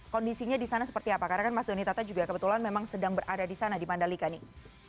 karena kan mas donita juga kebetulan memang sedang berada di sana di mandalika nih